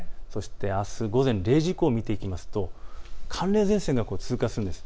あす午前０時以降を見ていきますと寒冷前線が通過するんです。